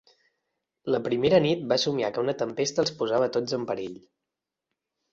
La primera nit va somiar que una tempesta els posava a tots en perill.